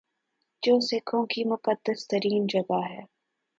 جو سکھوں کی مقدس ترین جگہ ہے